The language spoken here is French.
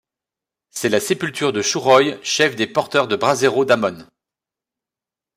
C'est la sépulture de Shouroy, chef des porteurs de brazero d'Amon.